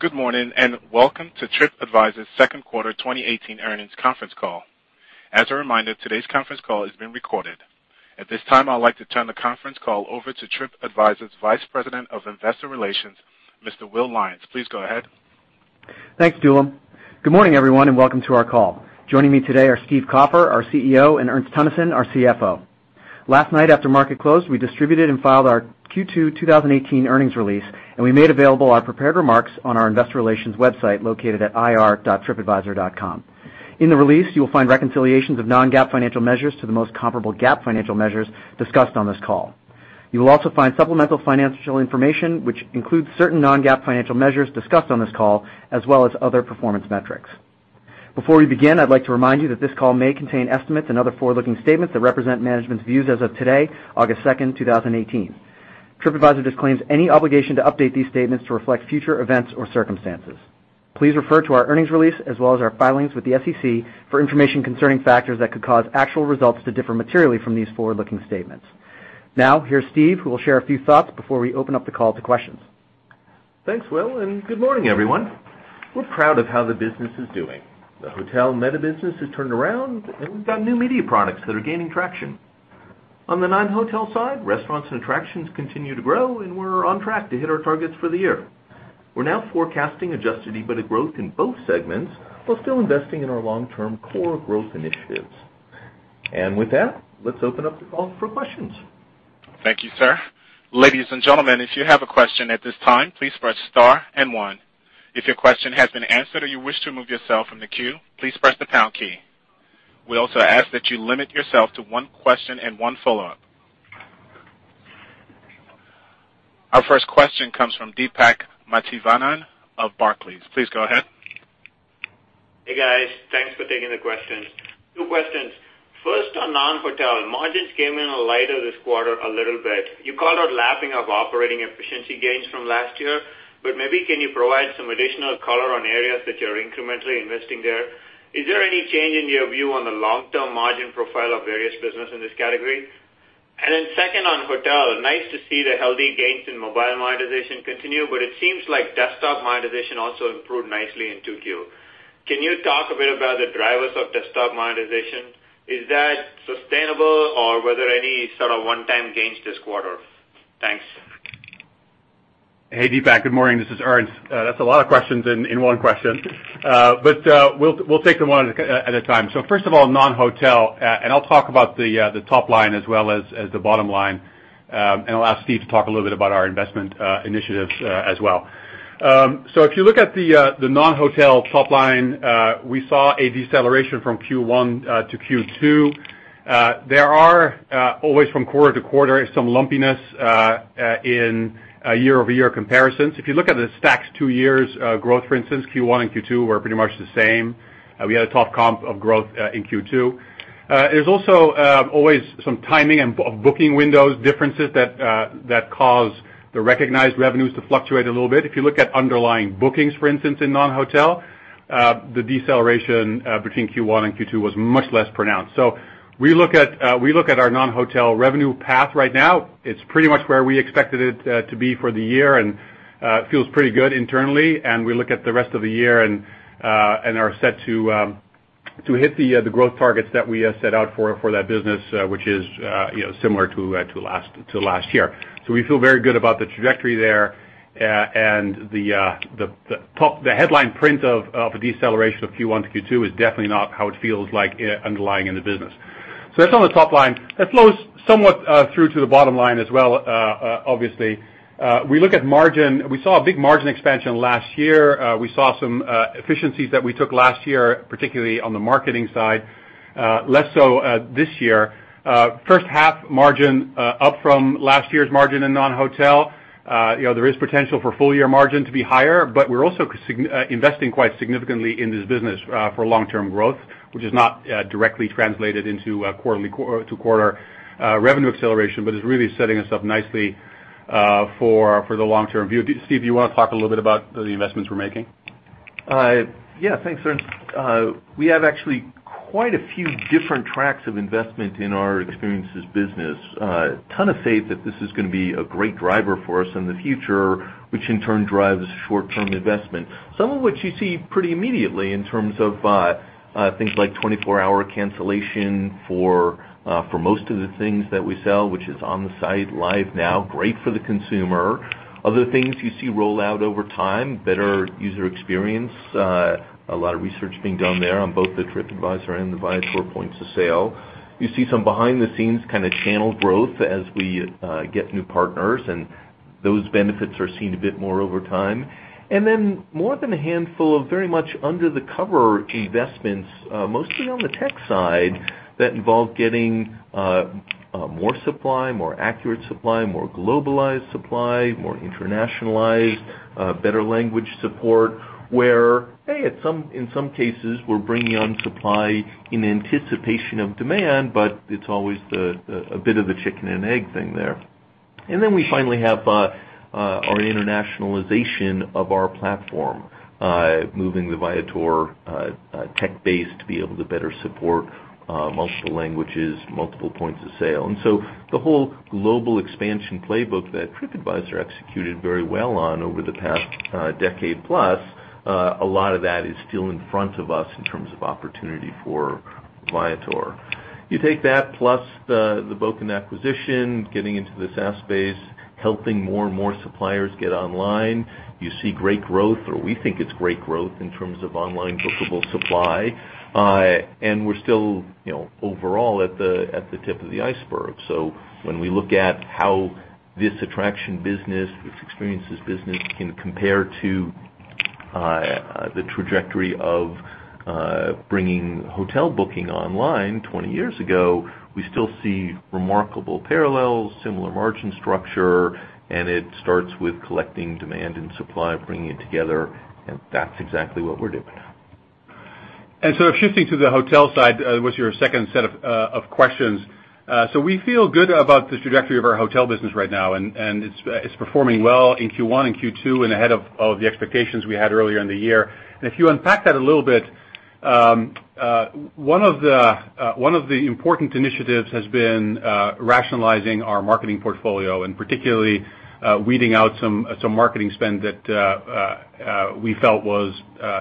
Good morning, and welcome to TripAdvisor's second quarter 2018 earnings conference call. As a reminder, today's conference call is being recorded. At this time, I'd like to turn the conference call over to TripAdvisor's Vice President of Investor Relations, Mr. Will Lyons. Please go ahead. Thanks, Dulann. Good morning, everyone, and welcome to our call. Joining me today are Steve Kaufer, our CEO, and Ernst Teunissen, our CFO. Last night, after market close, we distributed and filed our Q2 2018 earnings release, and we made available our prepared remarks on our investor relations website, located at ir.tripadvisor.com. In the release, you will find reconciliations of non-GAAP financial measures to the most comparable GAAP financial measures discussed on this call. You will also find supplemental financial information, which includes certain non-GAAP financial measures discussed on this call, as well as other performance metrics. Before we begin, I'd like to remind you that this call may contain estimates and other forward-looking statements that represent management's views as of today, August 2nd, 2018. TripAdvisor disclaims any obligation to update these statements to reflect future events or circumstances. Please refer to our earnings release as well as our filings with the SEC for information concerning factors that could cause actual results to differ materially from these forward-looking statements. Now, here's Steve, who will share a few thoughts before we open up the call to questions. Thanks, Will, and good morning, everyone. We're proud of how the business is doing. The hotel meta business has turned around, and we've got new media products that are gaining traction. On the non-hotel side, restaurants and attractions continue to grow, and we're on track to hit our targets for the year. We're now forecasting adjusted EBITDA growth in both segments while still investing in our long-term core growth initiatives. With that, let's open up the call for questions. Thank you, sir. Ladies and gentlemen, if you have a question at this time, please press star and one. If your question has been answered or you wish to remove yourself from the queue, please press the pound key. We also ask that you limit yourself to one question and one follow-up. Our first question comes from Deepak Mathivanan of Barclays. Please go ahead. Hey, guys. Thanks for taking the questions. Two questions. First, on non-hotel, margins came in a little lighter this quarter. You called out lapping of operating efficiency gains from last year, but maybe can you provide some additional color on areas that you're incrementally investing there? Is there any change in your view on the long-term margin profile of various business in this category? Second on hotel, nice to see the healthy gains in mobile monetization continue, but it seems like desktop monetization also improved nicely in 2Q. Can you talk a bit about the drivers of desktop monetization? Is that sustainable, or were there any sort of one-time gains this quarter? Thanks. Hey, Deepak. Good morning. This is Ernst. That's a lot of questions in one question. We'll take them one at a time. First of all, non-hotel, I'll talk about the top line as well as the bottom line, and I'll ask Steve to talk a little bit about our investment initiatives as well. If you look at the non-hotel top line, we saw a deceleration from Q1 to Q2. There are always, from quarter-to-quarter, some lumpiness in year-over-year comparisons. If you look at the stacked two years growth, for instance, Q1 and Q2 were pretty much the same. We had a tough comp of growth in Q2. There's also always some timing of booking windows differences that cause the recognized revenues to fluctuate a little bit. If you look at underlying bookings, for instance, in non-hotel, the deceleration between Q1 and Q2 was much less pronounced. We look at our non-hotel revenue path right now. It's pretty much where we expected it to be for the year, and feels pretty good internally, and we look at the rest of the year and are set to hit the growth targets that we set out for that business, which is similar to last year. We feel very good about the trajectory there. The headline print of a deceleration of Q1 to Q2 is definitely not how it feels like underlying in the business. That's on the top line. That flows somewhat through to the bottom line as well, obviously. We look at margin. We saw a big margin expansion last year. We saw some efficiencies that we took last year, particularly on the marketing side, less so this year. First half margin up from last year's margin in non-hotel. There is potential for full-year margin to be higher, but we're also investing quite significantly in this business for long-term growth, which is not directly translated into quarter-to-quarter revenue acceleration. It's really setting us up nicely for the long term. Steve, do you want to talk a little bit about the investments we're making? Yeah. Thanks, Ernst. We have actually quite a few different tracks of investment in our experiences business. Ton of faith that this is going to be a great driver for us in the future, which in turn drives short-term investment. Some of which you see pretty immediately in terms of things like 24-hour cancellation for most of the things that we sell, which is on the site live now, great for the consumer. Other things you see roll out over time, better user experience, a lot of research being done there on both the TripAdvisor and the Viator points of sale. Those benefits are seen a bit more over time. More than a handful of very much under-the-cover investments, mostly on the tech side, that involve getting more supply, more accurate supply, more globalized supply, more internationalized, better language support, where, hey, in some cases, we're bringing on supply in anticipation of demand, but it's always a bit of a chicken and egg thing there. We finally have our internationalization of our platform moving the Viator tech base to be able to better support multiple languages, multiple points of sale. The whole global expansion playbook that TripAdvisor executed very well on over the past decade plus, a lot of that is still in front of us in terms of opportunity for Viator. You take that plus the Bokun acquisition, getting into the SaaS space, helping more and more suppliers get online. You see great growth, or we think it's great growth in terms of online bookable supply, we're still overall at the tip of the iceberg. When we look at how this attraction business, this experiences business can compare to the trajectory of bringing hotel booking online 20 years ago, we still see remarkable parallels, similar margin structure, it starts with collecting demand and supply, bringing it together, that's exactly what we're doing. Shifting to the hotel side was your second set of questions. We feel good about the trajectory of our hotel business right now, and it's performing well in Q1 and Q2 and ahead of the expectations we had earlier in the year. If you unpack that a little bit, one of the important initiatives has been rationalizing our marketing portfolio and particularly weeding out some marketing spend that we felt was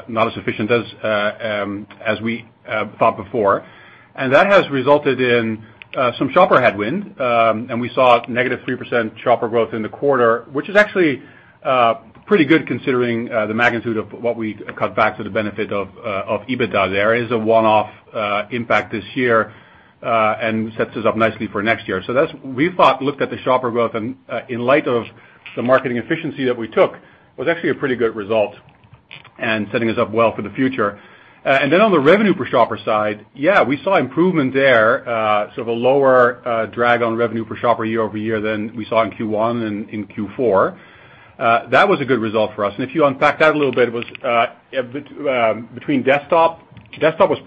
not as efficient as we thought before. That has resulted in some shopper headwind. We saw negative 3% shopper growth in the quarter, which is actually pretty good considering the magnitude of what we cut back to the benefit of EBITDA there. It's a one-off impact this year, and sets us up nicely for next year. We thought looked at the shopper growth and in light of the marketing efficiency that we took, was actually a pretty good result and setting us up well for the future. Then on the revenue per shopper side, yeah, we saw improvement there, sort of a lower drag on revenue per shopper year-over-year than we saw in Q1 and in Q4. That was a good result for us. If you unpack that a little bit, between desktop. Desktop was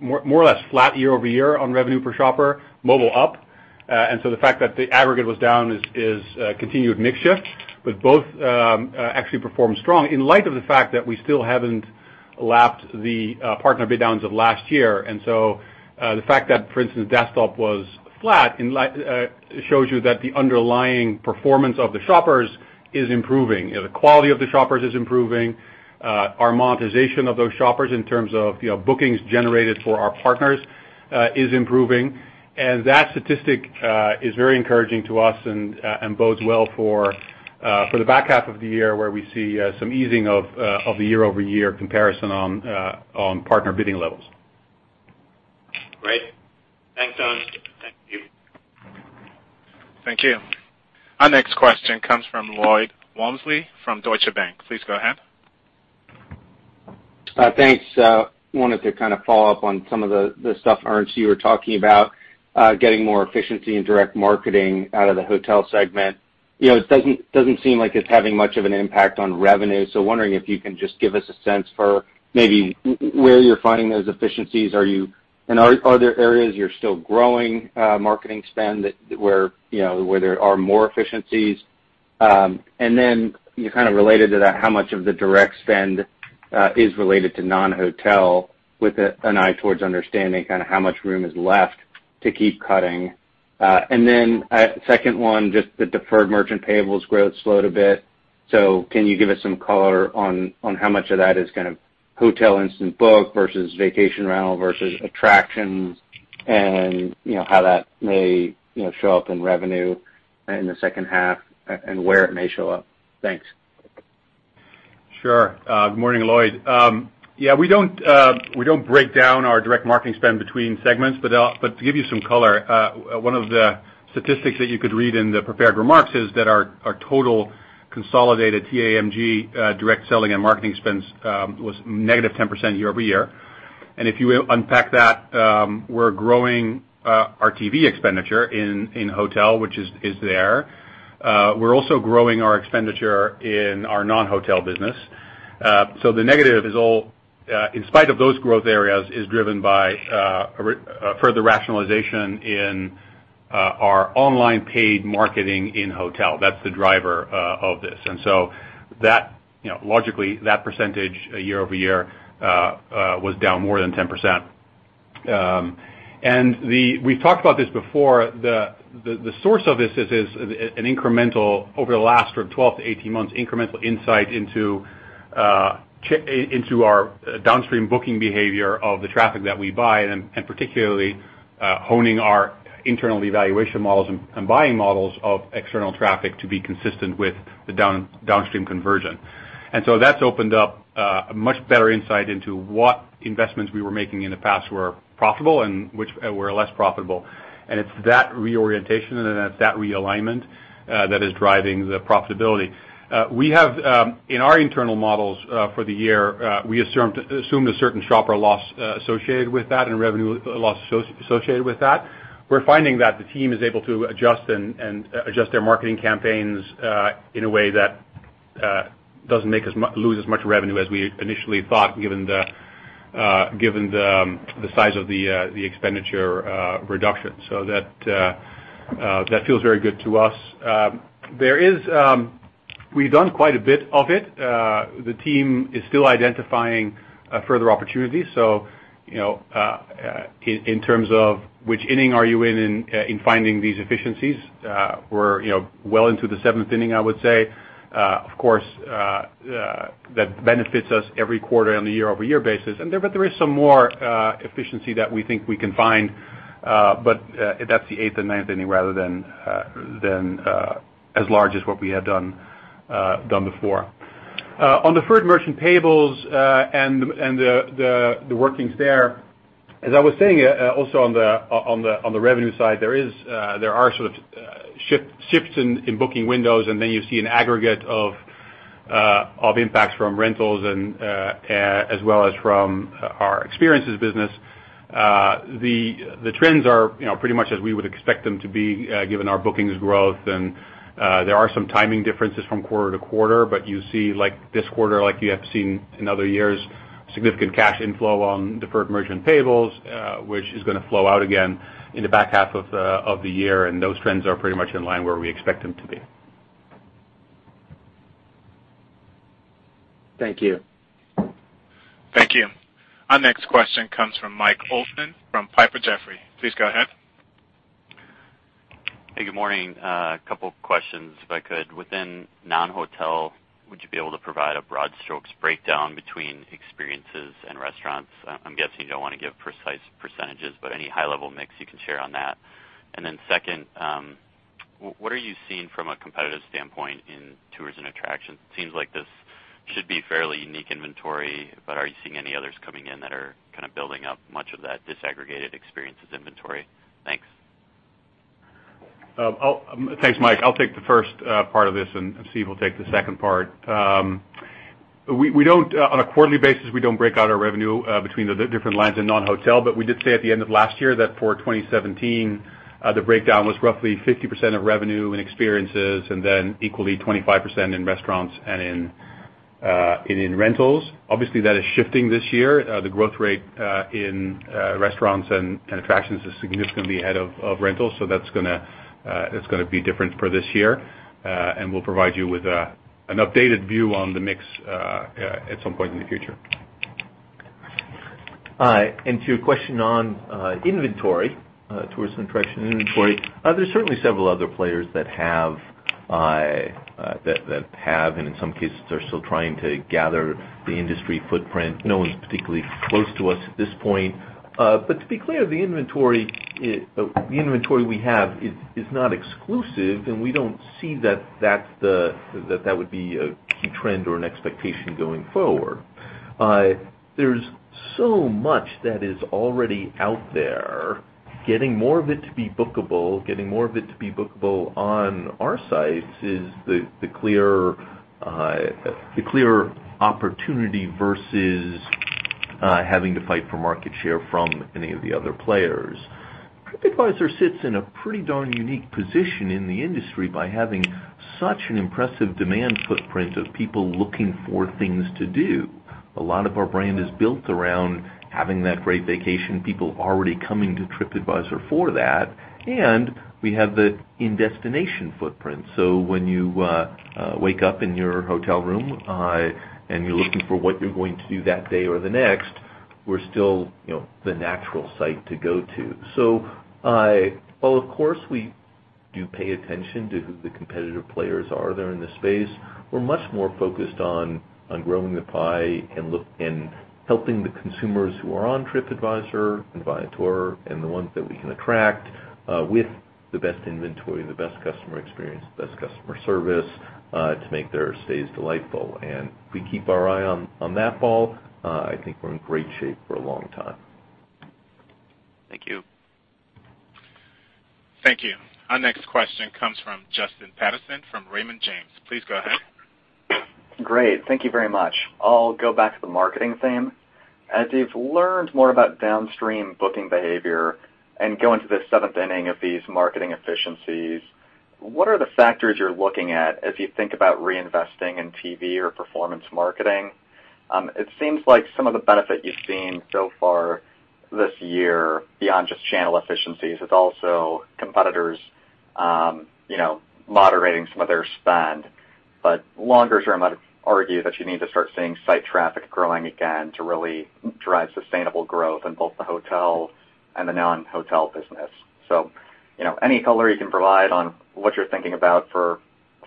more or less flat year-over-year on revenue per shopper, mobile up. The fact that the aggregate was down is a continued mix shift, but both actually performed strong in light of the fact that we still haven't lapped the partner bid downs of last year. The fact that, for instance, desktop was flat, shows you that the underlying performance of the shoppers is improving. The quality of the shoppers is improving, our monetization of those shoppers in terms of bookings generated for our partners is improving. That statistic is very encouraging to us and bodes well for the back half of the year where we see some easing of the year-over-year comparison on partner bidding levels. Great. Thanks, Ernst. Thank you. Thank you. Our next question comes from Lloyd Walmsley from Deutsche Bank. Please go ahead. Thanks. Wanted to follow up on some of the stuff, Ernst, you were talking about, getting more efficiency in direct marketing out of the hotel segment. It doesn't seem like it's having much of an impact on revenue. Wondering if you can just give us a sense for maybe where you're finding those efficiencies. Are there areas you're still growing marketing spend where there are more efficiencies? Kind of related to that, how much of the direct spend is related to non-hotel with an eye towards understanding how much room is left to keep cutting. A second one, just the deferred merchant payables growth slowed a bit. Can you give us some color on how much of that is hotel instant book versus vacation rental versus attractions, and how that may show up in revenue in the second half and where it may show up? Thanks. Sure. Good morning, Lloyd. Yeah, we don't break down our direct marketing spend between segments, but to give you some color, one of the statistics that you could read in the prepared remarks is that our total consolidated TAMG direct selling and marketing expense was negative 10% year-over-year. If you unpack that, we're growing our TV expenditure in hotel, which is there. We're also growing our expenditure in our non-hotel business. The negative, in spite of those growth areas, is driven by further rationalization in our online paid marketing in hotel. That's the driver of this. Logically, that percentage year-over-year was down more than 10%. We've talked about this before. The source of this is an incremental, over the last sort of 12 to 18 months, incremental insight into our downstream booking behavior of the traffic that we buy, and particularly honing our internal evaluation models and buying models of external traffic to be consistent with the downstream conversion. That's opened up a much better insight into what investments we were making in the past were profitable and which were less profitable. It's that reorientation and that realignment that is driving the profitability. In our internal models for the year, we assumed a certain shopper loss associated with that and revenue loss associated with that. We're finding that the team is able to adjust their marketing campaigns in a way that doesn't make us lose as much revenue as we initially thought given the size of the expenditure reduction. That feels very good to us. We've done quite a bit of it. The team is still identifying further opportunities, so in terms of which inning are you in in finding these efficiencies? We're well into the seventh inning, I would say. Of course, that benefits us every quarter on a year-over-year basis. There is some more efficiency that we think we can find, but that's the eighth and ninth inning rather than as large as what we had done before. On deferred merchant payables and the workings there, as I was saying also on the revenue side, there are sort of shifts in booking windows, and then you see an aggregate of impacts from rentals, as well as from our experiences business. The trends are pretty much as we would expect them to be given our bookings growth, and there are some timing differences from quarter to quarter. You see this quarter, like you have seen in other years, significant cash inflow on deferred merchant payables, which is going to flow out again in the back half of the year. Those trends are pretty much in line where we expect them to be. Thank you. Thank you. Our next question comes from Michael Olson from Piper Jaffray. Please go ahead. Hey, good morning. A couple questions, if I could. Within non-hotel, would you be able to provide a broad strokes breakdown between experiences and restaurants? I'm guessing you don't want to give precise %, but any high level mix you can share on that? Second, what are you seeing from a competitive standpoint in tours and attractions? It seems like this should be fairly unique inventory, but are you seeing any others coming in that are kind of building up much of that disaggregated experiences inventory? Thanks. Thanks, Mike. I'll take the first part of this, and Steve will take the second part. On a quarterly basis, we don't break out our revenue between the different lines and non-hotel, but we did say at the end of last year that for 2017, the breakdown was roughly 50% of revenue in experiences, and then equally 25% in restaurants and in rentals. Obviously, that is shifting this year. The growth rate in restaurants and attractions is significantly ahead of rentals. That's going to be different for this year. We'll provide you with an updated view on the mix at some point in the future. To your question on inventory, tours and attraction inventory, there's certainly several other players that have, and in some cases are still trying to gather the industry footprint. No one's particularly close to us at this point. To be clear, the inventory we have is not exclusive, and we don't see that that would be a key trend or an expectation going forward. There's so much that is already out there. Getting more of it to be bookable on our sites is the clear opportunity versus having to fight for market share from any of the other players. TripAdvisor sits in a pretty darn unique position in the industry by having such an impressive demand footprint of people looking for things to do. A lot of our brand is built around having that great vacation, people already coming to TripAdvisor for that, and we have the in-destination footprint. When you wake up in your hotel room, and you're looking for what you're going to do that day or the next, we're still the natural site to go to. While, of course, we do pay attention to who the competitive players are there in the space, we're much more focused on growing the pie and helping the consumers who are on TripAdvisor and Viator, and the ones that we can attract with the best inventory, the best customer experience, the best customer service to make their stays delightful. If we keep our eye on that ball, I think we're in great shape for a long time. Thank you. Thank you. Our next question comes from Justin Patterson from Raymond James. Please go ahead. Great. Thank you very much. I'll go back to the marketing theme. As you've learned more about downstream booking behavior and go into the seventh inning of these marketing efficiencies, what are the factors you're looking at as you think about reinvesting in TV or performance marketing? It seems like some of the benefit you've seen so far this year, beyond just channel efficiencies, is also competitors moderating some of their spend. Longer term, I'd argue that you need to start seeing site traffic growing again to really drive sustainable growth in both the hotel and the non-hotel business. Any color you can provide on what you're thinking about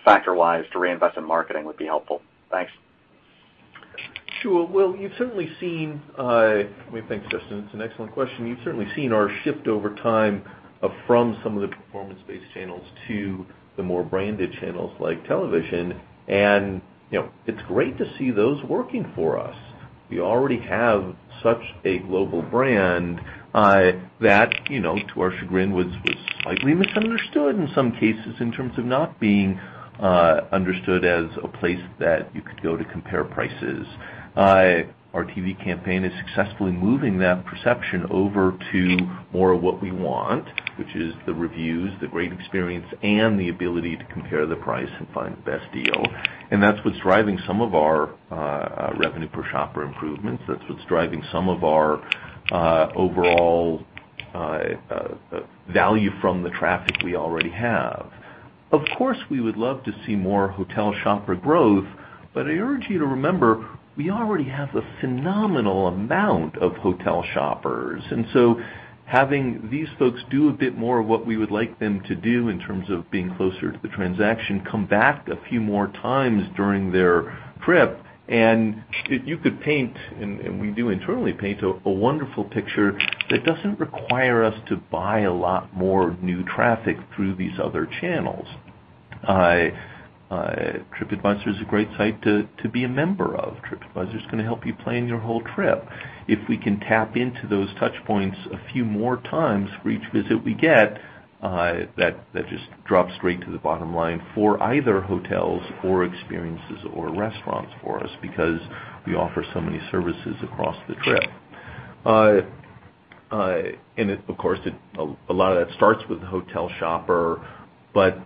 factor-wise to reinvest in marketing would be helpful. Thanks. Well, you've certainly seen. Thanks, Justin. It's an excellent question. You've certainly seen our shift over time from some of the performance-based channels to the more branded channels like television. It's great to see those working for us. We already have such a global brand that, to our chagrin, was slightly misunderstood in some cases in terms of not being understood as a place that you could go to compare prices. Our TV campaign is successfully moving that perception over to more of what we want, which is the reviews, the great experience, and the ability to compare the price and find the best deal. That's what's driving some of our revenue per shopper improvements. That's what's driving some of our overall Value from the traffic we already have. Of course, we would love to see more hotel shopper growth, but I urge you to remember we already have a phenomenal amount of hotel shoppers. Having these folks do a bit more of what we would like them to do in terms of being closer to the transaction, come back a few more times during their trip. You could paint, and we do internally paint, a wonderful picture that doesn't require us to buy a lot more new traffic through these other channels. TripAdvisor is a great site to be a member of. TripAdvisor is going to help you plan your whole trip. If we can tap into those touch points a few more times for each visit we get, that just drops straight to the bottom line for either hotels or experiences or restaurants for us because we offer so many services across the trip. Of course, a lot of that starts with the hotel shopper, but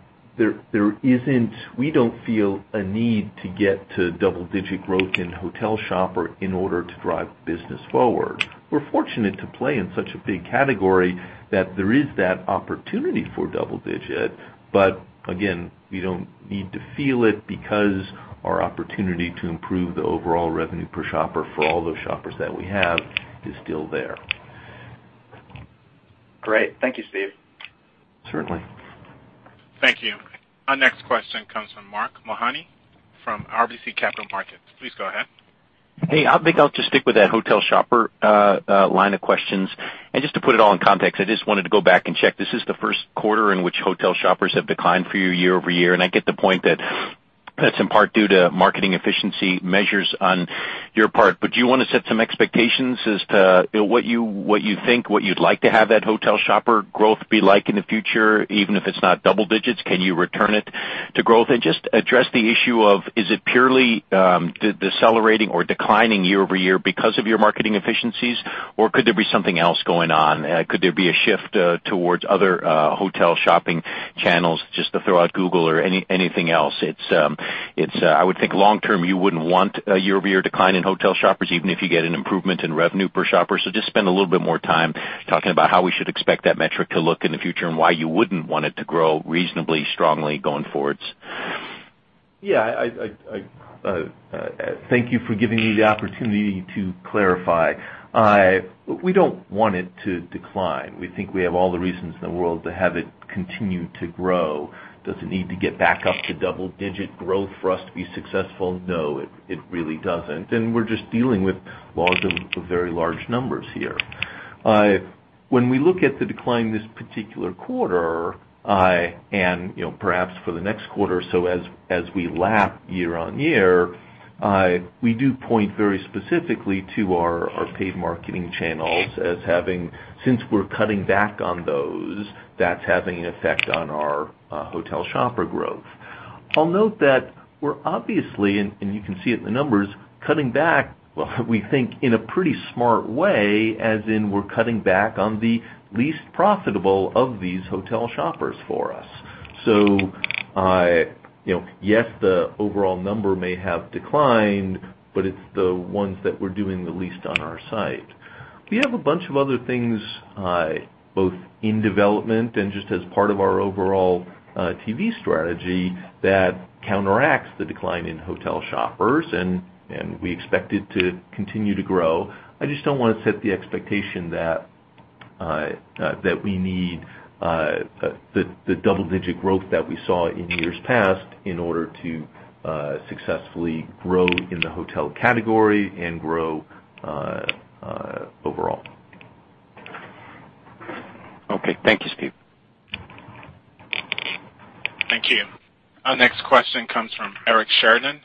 we don't feel a need to get to double-digit growth in hotel shopper in order to drive business forward. We're fortunate to play in such a big category that there is that opportunity for double digit, but again, we don't need to feel it because our opportunity to improve the overall revenue per shopper for all those shoppers that we have is still there. Great. Thank you, Steve. Certainly. Thank you. Our next question comes from Mark Mahaney from RBC Capital Markets. Please go ahead. Hey, I think I'll just stick with that hotel shopper line of questions. Just to put it all in context, I just wanted to go back and check. This is the first quarter in which hotel shoppers have declined for you year-over-year, and I get the point that that's in part due to marketing efficiency measures on your part. Do you want to set some expectations as to what you think, what you'd like to have that hotel shopper growth be like in the future, even if it's not double-digits? Can you return it to growth? Just address the issue of, is it purely decelerating or declining year-over-year because of your marketing efficiencies, or could there be something else going on? Could there be a shift towards other hotel shopping channels just to throw out Google or anything else? I would think long term, you wouldn't want a year-over-year decline in hotel shoppers, even if you get an improvement in revenue per shopper. Just spend a little bit more time talking about how we should expect that metric to look in the future and why you wouldn't want it to grow reasonably strongly going forwards. Yeah. Thank you for giving me the opportunity to clarify. We don't want it to decline. We think we have all the reasons in the world to have it continue to grow. Does it need to get back up to double-digit growth for us to be successful? No, it really doesn't. We're just dealing with laws of very large numbers here. When we look at the decline this particular quarter, and perhaps for the next quarter, as we lap year-on-year, we do point very specifically to our paid marketing channels as having, since we're cutting back on those, that's having an effect on our hotel shopper growth. I'll note that we're obviously, and you can see it in the numbers, cutting back, we think in a pretty smart way, as in we're cutting back on the least profitable of these hotel shoppers for us. Yes, the overall number may have declined, but it's the ones that were doing the least on our site. We have a bunch of other things, both in development and just as part of our overall TV strategy that counteracts the decline in hotel shoppers, and we expect it to continue to grow. I just don't want to set the expectation that we need the double-digit growth that we saw in years past in order to successfully grow in the hotel category and grow overall. Thank you, Steve. Thank you. Our next question comes from Eric Sheridan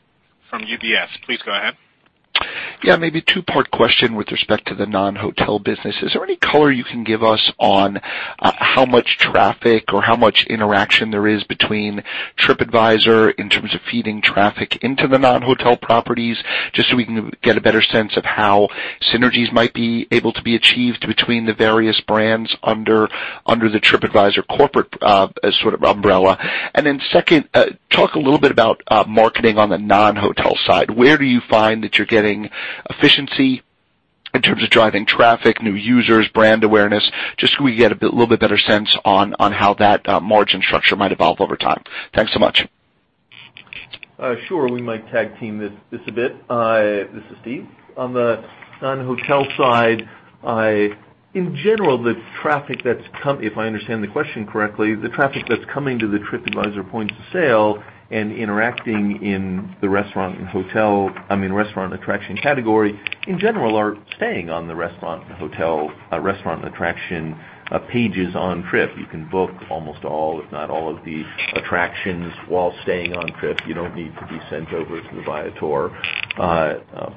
from UBS. Please go ahead. Maybe a two-part question with respect to the non-hotel business. Is there any color you can give us on how much traffic or how much interaction there is between TripAdvisor in terms of feeding traffic into the non-hotel properties, just so we can get a better sense of how synergies might be able to be achieved between the various brands under the TripAdvisor corporate umbrella? Second, talk a little bit about marketing on the non-hotel side. Where do you find that you're getting efficiency in terms of driving traffic, new users, brand awareness? Just so we can get a little bit better sense on how that margin structure might evolve over time. Thanks so much. Sure. We might tag team this a bit. This is Steve. On the non-hotel side, in general, if I understand the question correctly, the traffic that's coming to the TripAdvisor points of sale and interacting in the restaurant and attraction category, in general, are staying on the restaurant and attraction pages on Trip. You can book almost all, if not all of the attractions while staying on Trip. You don't need to be sent over to the Viator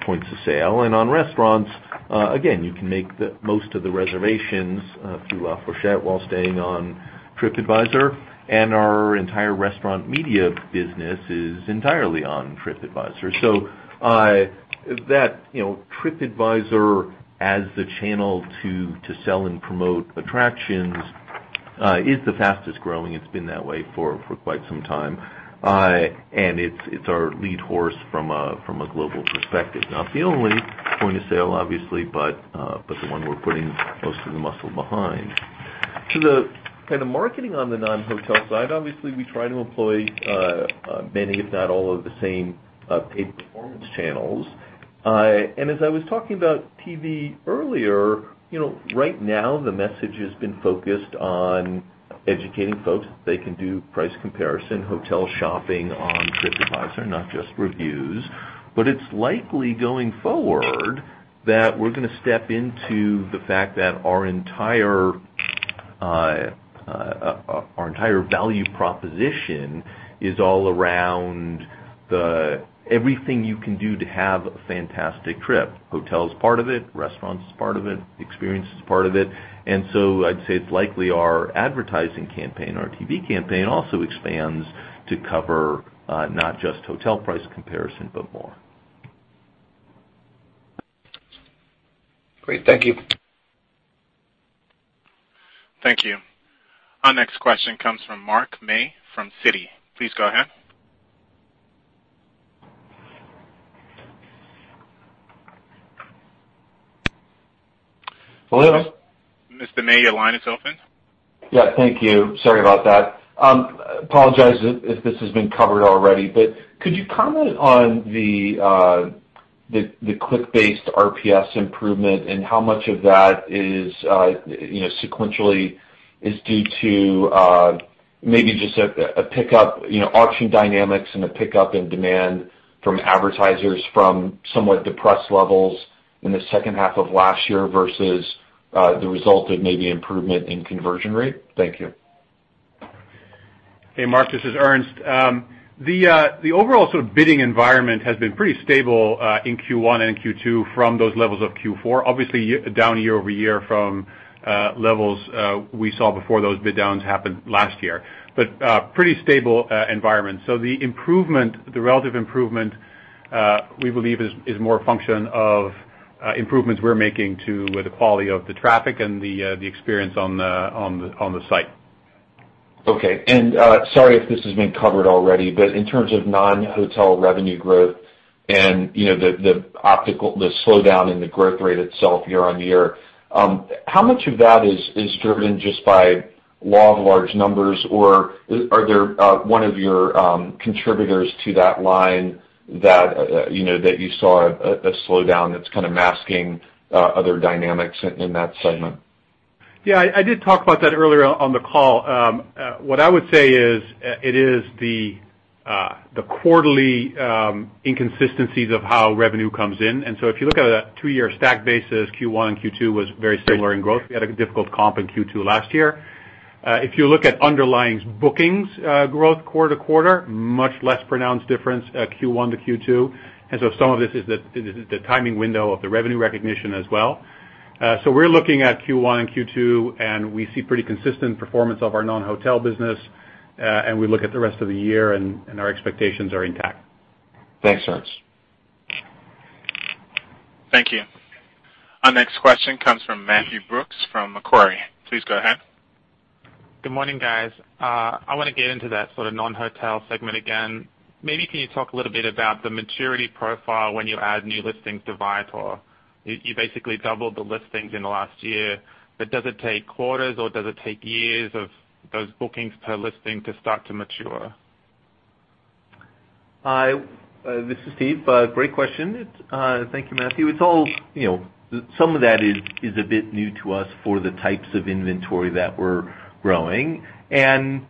points of sale. On restaurants, again, you can make most of the reservations through La Fourchette while staying on TripAdvisor, and our entire restaurant media business is entirely on TripAdvisor. That TripAdvisor as the channel to sell and promote attractions is the fastest-growing. It's been that way for quite some time. It's our lead horse from a global perspective. Not the only point of sale, obviously, but the one we're putting most of the muscle behind. The marketing on the non-hotel side, obviously, we try to employ many, if not all of the same paid performance channels. As I was talking about TV earlier, right now the message has been focused on educating folks that they can do price comparison, hotel shopping on TripAdvisor, not just reviews. It's likely going forward that we're going to step into the fact that our entire value proposition is all around everything you can do to have a fantastic trip. Hotel is part of it, restaurant is part of it, experience is part of it, I'd say it's likely our advertising campaign, our TV campaign also expands to cover, not just hotel price comparison, but more. Great. Thank you. Thank you. Our next question comes from Mark May from Citi. Please go ahead. Hello? Mr. May, your line is open. Yeah, thank you. Sorry about that. Apologize if this has been covered already, but could you comment on the click-based RPS improvement and how much of that sequentially is due to maybe just a pickup, auction dynamics and a pickup in demand from advertisers from somewhat depressed levels in the second half of last year versus the result of maybe improvement in conversion rate? Thank you. Hey, Mark, this is Ernst. The overall sort of bidding environment has been pretty stable, in Q1 and Q2 from those levels of Q4, obviously down year-over-year from levels we saw before those bid downs happened last year, but pretty stable environment. The relative improvement, we believe is more a function of improvements we're making to the quality of the traffic and the experience on the site. Okay. Sorry if this has been covered already, but in terms of non-hotel revenue growth and the slowdown in the growth rate itself year-on-year, how much of that is driven just by law of large numbers? Are there one of your contributors to that line that you saw a slowdown that's kind of masking other dynamics in that segment? Yeah, I did talk about that earlier on the call. What I would say is, it is the quarterly inconsistencies of how revenue comes in. If you look at a two-year stack basis, Q1 and Q2 was very similar in growth. We had a difficult comp in Q2 last year. If you look at underlying bookings growth quarter-to-quarter, much less pronounced difference Q1 to Q2. Some of this is the timing window of the revenue recognition as well. We're looking at Q1 and Q2, and we see pretty consistent performance of our non-hotel business. We look at the rest of the year, and our expectations are intact. Thanks, Ernst. Thank you. Our next question comes from Matthew Brooks from Macquarie. Please go ahead. Good morning, guys. I want to get into that sort of non-hotel segment again. Maybe can you talk a little bit about the maturity profile when you add new listings to Viator? You basically doubled the listings in the last year, but does it take quarters or does it take years of those bookings per listing to start to mature? This is Steve. Great question. Thank you, Matthew. Some of that is a bit new to us for the types of inventory that we're growing. Again,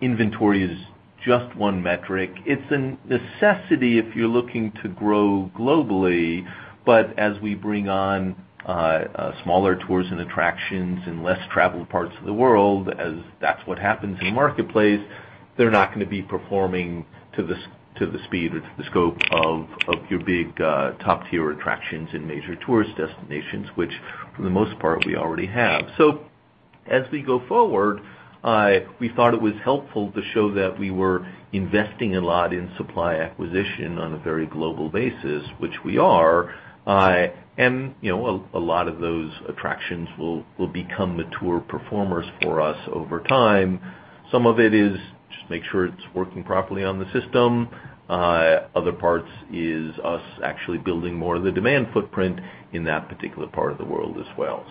inventory is just one metric. It's a necessity if you're looking to grow globally, but as we bring on smaller tours and attractions in less traveled parts of the world, as that's what happens in the marketplace, they're not going to be performing to the speed or to the scope of your big, top-tier attractions in major tourist destinations, which for the most part, we already have. As we go forward, we thought it was helpful to show that we were investing a lot in supply acquisition on a very global basis, which we are. A lot of those attractions will become mature performers for us over time. Some of it is just make sure it's working properly on the system. Other parts is us actually building more of the demand footprint in that particular part of the world as well.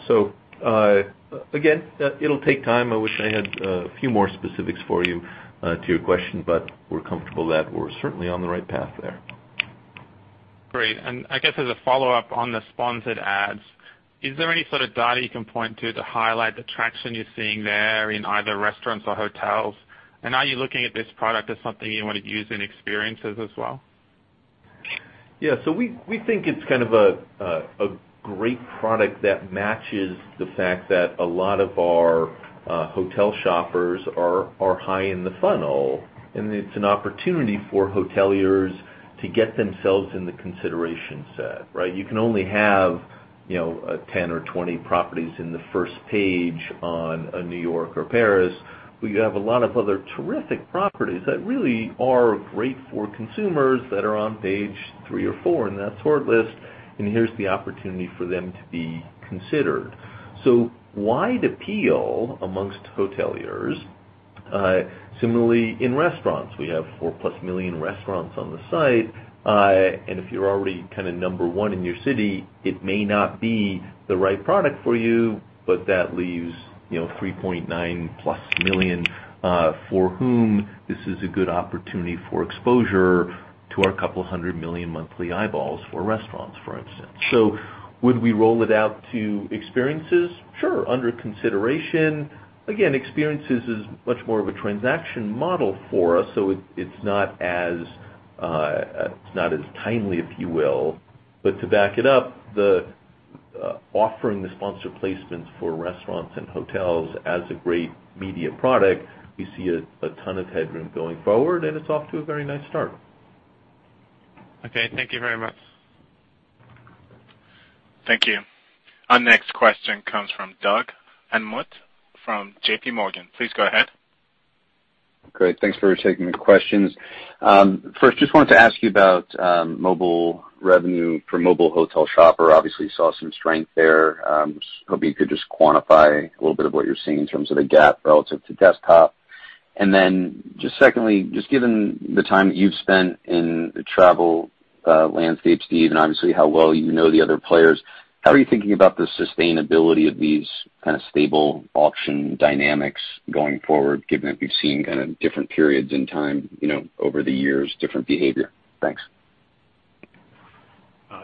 Again, it'll take time. I wish I had a few more specifics for you to your question, we're comfortable that we're certainly on the right path there. Great. I guess as a follow-up on the sponsored ads, is there any sort of data you can point to highlight the traction you're seeing there in either restaurants or hotels? Are you looking at this product as something you want to use in experiences as well? Yeah. We think it's kind of a great product that matches the fact that a lot of our hotel shoppers are high in the funnel, it's an opportunity for hoteliers to get themselves in the consideration set, right? You can only have 10 or 20 properties in the first page on New York or Paris, you have a lot of other terrific properties that really are great for consumers that are on page three or four in that sort list, here's the opportunity for them to be considered. Wide appeal amongst hoteliers. Similarly, in restaurants, we have four plus million restaurants on the site. If you're already number one in your city, it may not be the right product for you, that leaves 3.9 plus million for whom this is a good opportunity for exposure to our couple hundred million monthly eyeballs for restaurants, for instance. Would we roll it out to experiences? Sure. Under consideration. Again, experiences is much more of a transaction model for us, so it's not as timely, if you will. To back it up, offering the sponsor placements for restaurants and hotels as a great media product, we see a ton of headroom going forward, and it's off to a very nice start. Okay, thank you very much. Thank you. Our next question comes from Doug Anmuth from JP Morgan. Please go ahead. Great. Thanks for taking the questions. First, just wanted to ask you about mobile revenue for mobile hotel shopper. Obviously, saw some strength there. Just hoping you could just quantify a little bit of what you're seeing in terms of the gap relative to desktop. Secondly, just given the time that you've spent in the travel landscape, Steve, and obviously how well you know the other players, how are you thinking about the sustainability of these stable auction dynamics going forward, given that we've seen different periods in time over the years, different behavior? Thanks.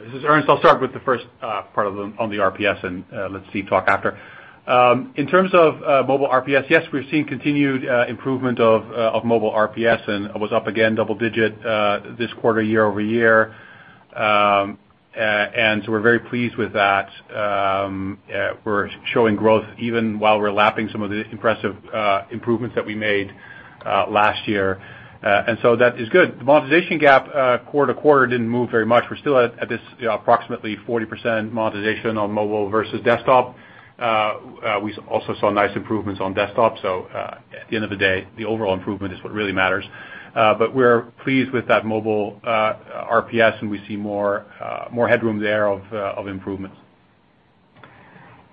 This is Ernst. I'll start with the first part on the RPS, let Steve talk after. In terms of mobile RPS, we've seen continued improvement of mobile RPS, and it was up again double digit this quarter, year-over-year. We're very pleased with that. We're showing growth even while we're lapping some of the impressive improvements that we made last year. That is good. The monetization gap quarter to quarter didn't move very much. We're still at this approximately 40% monetization on mobile versus desktop. We also saw nice improvements on desktop, at the end of the day, the overall improvement is what really matters. We're pleased with that mobile RPS, and we see more headroom there of improvements.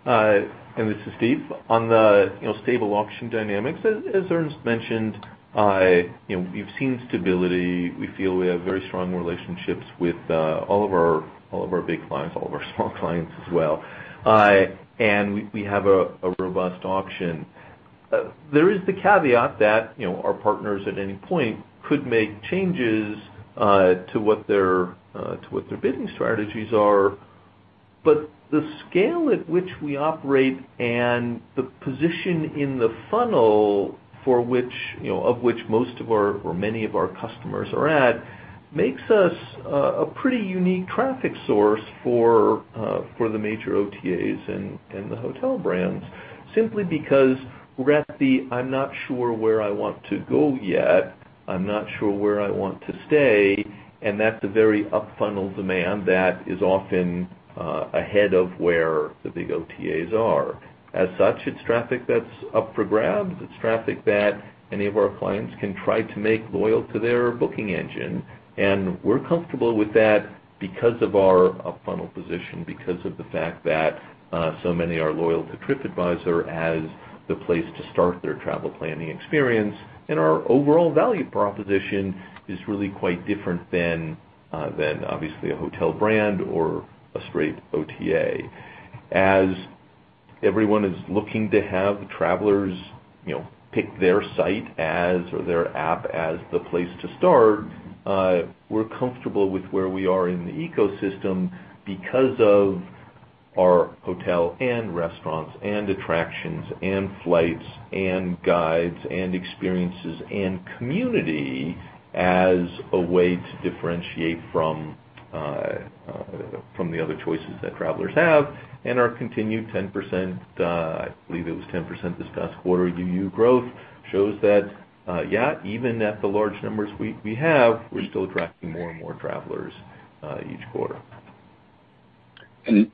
This is Steve. On the stable auction dynamics, as Ernst mentioned, we've seen stability. We feel we have very strong relationships with all of our big clients, all of our small clients as well. We have a robust auction. There is the caveat that our partners at any point could make changes to what their bidding strategies are. The scale at which we operate and the position in the funnel of which most of our, or many of our customers are at, makes us a pretty unique traffic source for the major OTAs and the hotel brands. Simply because we're at the, I'm not sure where I want to go yet. I'm not sure where I want to stay, and that's a very up-funnel demand that is often ahead of where the big OTAs are. As such, it's traffic that's up for grabs. It's traffic that any of our clients can try to make loyal to their booking engine. We're comfortable with that because of our up-funnel position, because of the fact that so many are loyal to TripAdvisor as the place to start their travel planning experience. Our overall value proposition is really quite different than obviously a hotel brand or a straight OTA. As everyone is looking to have travelers pick their site as, or their app as the place to start, we're comfortable with where we are in the ecosystem because of our hotel and restaurants and attractions and flights and guides and experiences and community as a way to differentiate from the other choices that travelers have, and our continued 10%, I believe it was 10% this past quarter, UU growth shows that, yeah, even at the large numbers we have, we're still attracting more and more travelers each quarter.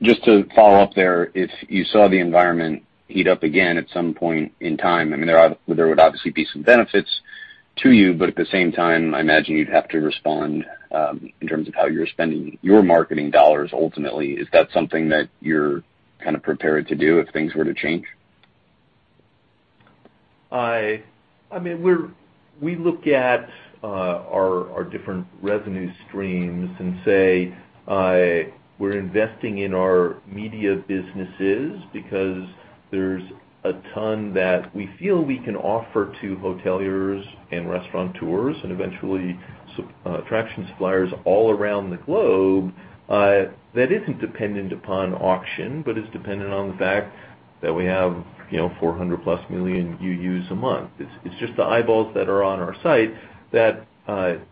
Just to follow up there, if you saw the environment heat up again at some point in time, there would obviously be some benefits to you, at the same time, I imagine you'd have to respond, in terms of how you're spending your marketing dollars ultimately. Is that something that you're prepared to do if things were to change? We look at our different revenue streams and say we're investing in our media businesses because there's a ton that we feel we can offer to hoteliers and restaurateurs and eventually attraction suppliers all around the globe that isn't dependent upon auction, but is dependent on the fact that we have 400 plus million UUs a month. It's just the eyeballs that are on our site that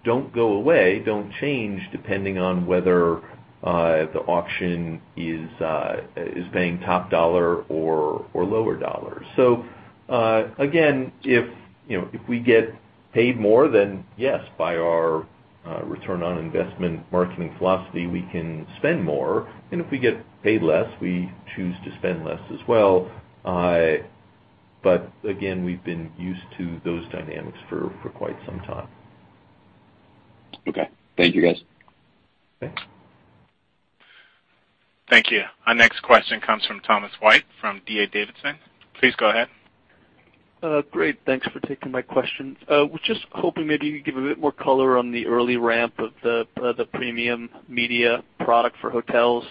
don't go away, don't change depending on whether the auction is paying top dollar or lower dollar. Again, if we get paid more, then yes, by our return on investment marketing philosophy, we can spend more. If we get paid less, we choose to spend less as well. Again, we've been used to those dynamics for quite some time. Okay. Thank you, guys. Thanks. Thank you. Our next question comes from Tom White from D.A. Davidson. Please go ahead. Great. Thanks for taking my question. Was just hoping maybe you could give a bit more color on the early ramp of the premium media product for hotels,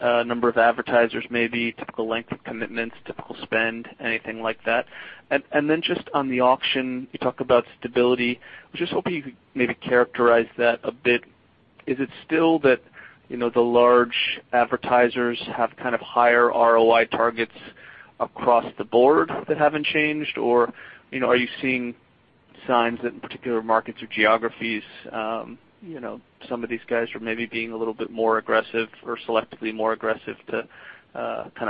number of advertisers maybe, typical length of commitments, typical spend, anything like that. Then just on the auction, you talk about stability. I was just hoping you could maybe characterize that a bit. Is it still that the large advertisers have higher ROI targets across the board that haven't changed, or are you seeing signs that in particular markets or geographies some of these guys are maybe being a little bit more aggressive or selectively more aggressive to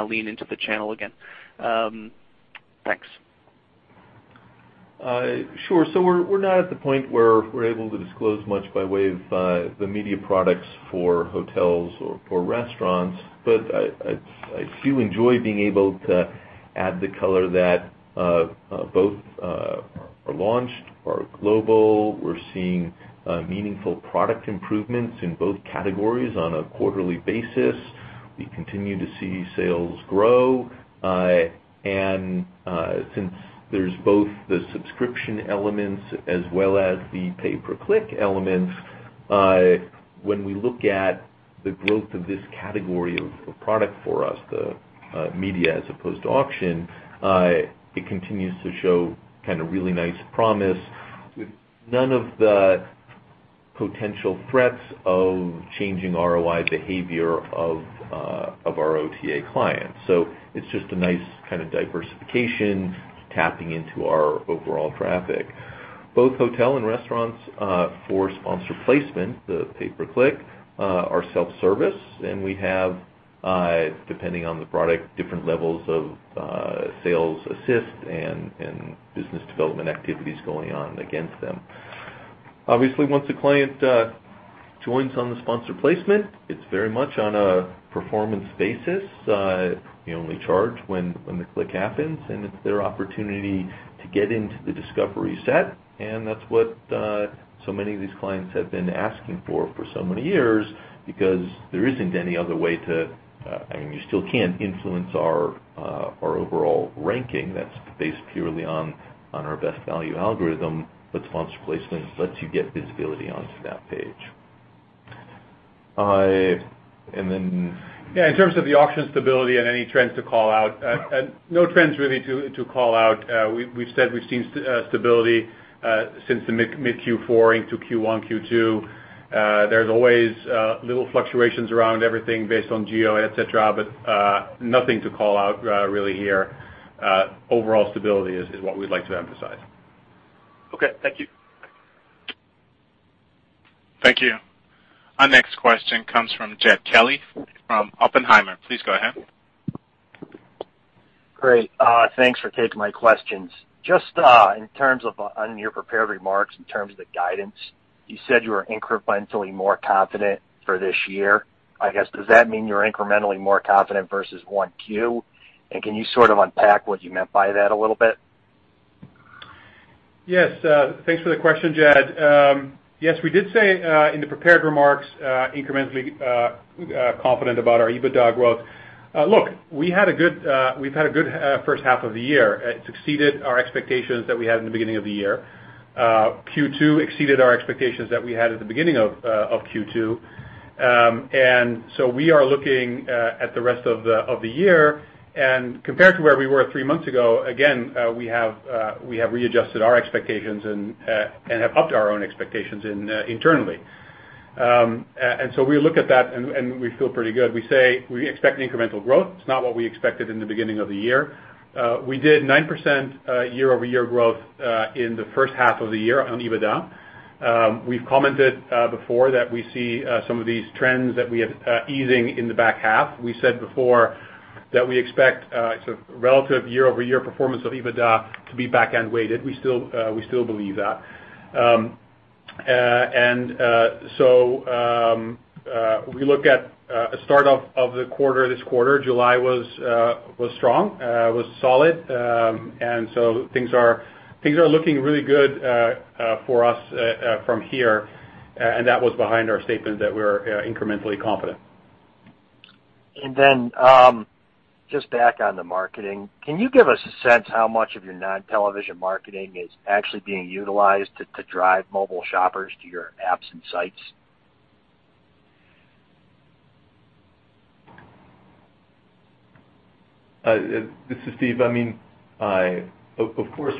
lean into the channel again? Thanks. Sure. We're not at the point where we're able to disclose much by way of the media products for hotels or for restaurants, but I do enjoy being able to add the color that both are launched, are global. We're seeing meaningful product improvements in both categories on a quarterly basis. We continue to see sales grow. Since there's both the subscription elements as well as the pay-per-click elements, when we look at the growth of this category of product for us, the media as opposed to auction, it continues to show really nice promise with none of the potential threats of changing ROI behavior of our OTA clients. It's just a nice diversification, tapping into our overall traffic. Both hotel and restaurants for sponsor placement, the pay-per-click are self-service, and we have, depending on the product, different levels of sales assist and business development activities going on against them. Obviously, once a client joins on the sponsor placement, it's very much on a performance basis. We only charge when the click happens, and it's their opportunity to get into the discovery set, that's what so many of these clients have been asking for so many years, because there isn't any other way. You still can't influence our overall ranking that's based purely on our best value algorithm. Sponsor placement lets you get visibility onto that page. Yeah, in terms of the auction stability and any trends to call out, no trends really to call out. We've said we've seen stability since the mid Q4 into Q1, Q2. There's always little fluctuations around everything based on geo, et cetera, nothing to call out really here. Overall stability is what we'd like to emphasize. Okay, thank you. Thank you. Our next question comes from Jed Kelly from Oppenheimer. Please go ahead. Great. Thanks for taking my questions. You said you were incrementally more confident for this year. I guess, does that mean you're incrementally more confident versus 1Q? Can you sort of unpack what you meant by that a little bit? Yes. Thanks for the question, Jed. We did say in the prepared remarks, incrementally confident about our EBITDA growth. Look, we've had a good first half of the year. It's exceeded our expectations that we had in the beginning of the year. Q2 exceeded our expectations that we had at the beginning of Q2. We are looking at the rest of the year and compared to where we were three months ago, again, we have readjusted our expectations and have upped our own expectations internally. We look at that and we feel pretty good. We say we expect incremental growth. It's not what we expected in the beginning of the year. We did 9% year-over-year growth in the first half of the year on EBITDA. We've commented before that we see some of these trends that we have easing in the back half. We said before that we expect sort of relative year-over-year performance of EBITDA to be back-end weighted. We still believe that. We look at a start off of the quarter, this quarter, July was strong, was solid. Things are looking really good for us from here. That was behind our statement that we're incrementally confident. Just back on the marketing, can you give us a sense how much of your non-television marketing is actually being utilized to drive mobile shoppers to your apps and sites? This is Steve Kaufer. Of course,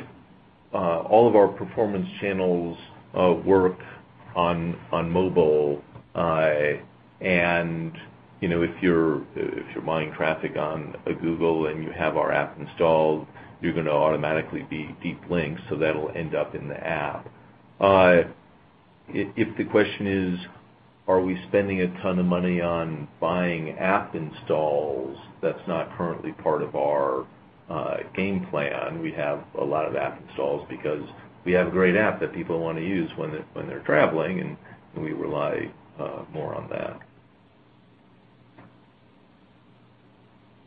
all of our performance channels work on mobile. If you're buying traffic on a Google and you have our app installed, you're going to automatically be deep linked, so that'll end up in the app. If the question is, are we spending a ton of money on buying app installs, that's not currently part of our game plan. We have a lot of app installs because we have a great app that people want to use when they're traveling, and we rely more on that.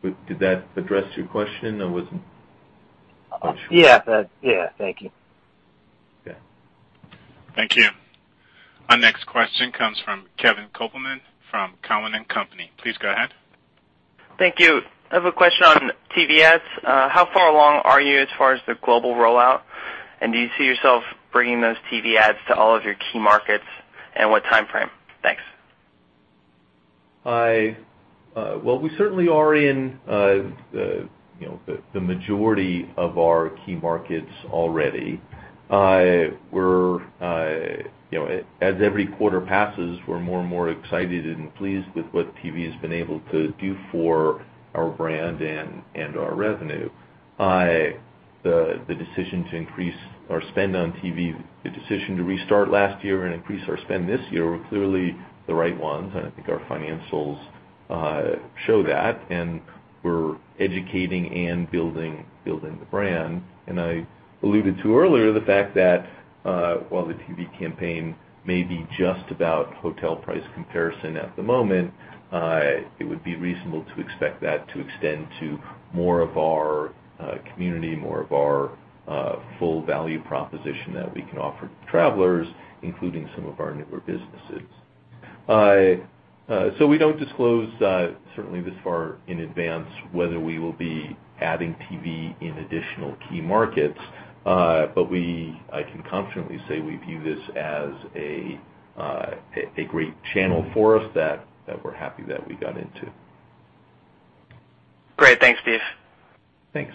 Did that address your question or was it? Yes. Thank you. Okay. Thank you. Our next question comes from Kevin Kopelman from Cowen and Company. Please go ahead. Thank you. I have a question on TV ads. How far along are you as far as the global rollout? Do you see yourself bringing those TV ads to all of your key markets, and what timeframe? Thanks. Well, we certainly are in the majority of our key markets already. As every quarter passes, we're more and more excited and pleased with what TV's been able to do for our brand and our revenue. The decision to increase our spend on TV, the decision to restart last year and increase our spend this year were clearly the right ones, and I think our financials show that, and we're educating and building the brand. I alluded to earlier the fact that, while the TV campaign may be just about hotel price comparison at the moment, it would be reasonable to expect that to extend to more of our community, more of our full value proposition that we can offer to travelers, including some of our newer businesses. We don't disclose, certainly this far in advance, whether we will be adding TV in additional key markets. I can confidently say we view this as a great channel for us that we're happy that we got into. Great. Thanks, Steve. Thanks.